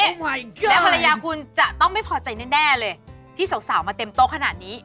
และภรรยาคุณจะต้องไม่พอใจแน่เลยที่สาวมาเต็มโต๊ะขนาดนี้